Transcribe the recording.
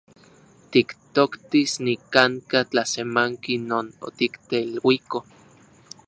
Tiktoktis nikan’ka tlasemanki non otikteluiko.